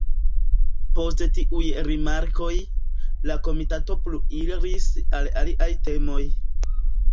Post tiuj rimarkoj, la komitato pluiris al aliaj temoj.